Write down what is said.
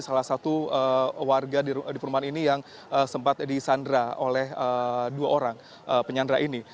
salah satu warga di perumahan ini yang sempat disandra oleh dua orang penyandra ini